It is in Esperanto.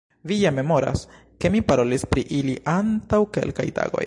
Vi ja memoras, ke mi parolis pri ili antaŭ kelkaj tagoj?